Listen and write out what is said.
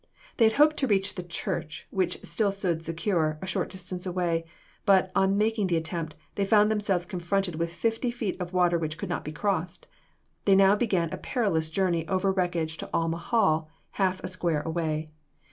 They had hoped to reach the church, which still stood secure, a short distance away; but, on making the attempt, they found themselves confronted with fifty feet of water which could not be crossed. They now began a perilous journey over wreckage to Alma Hall, half a square away.